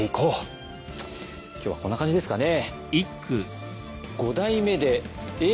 今日はこんな感じですかね。